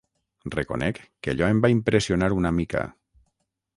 Reconec que allò em va impressionar una mica.